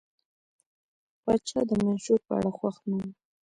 پاچا د منشور په اړه خوښ نه و.